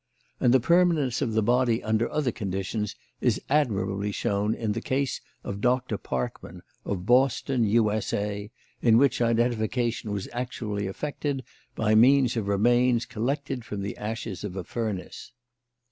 And the permanence of the body under other conditions is admirably shown in the case of Doctor Parkman, of Boston, U.S.A., in which identification was actually effected by means of remains collected from the ashes of a furnace."